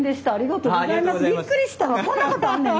びっくりした！